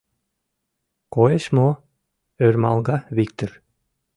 — Коеш мо? — ӧрмалга Виктыр.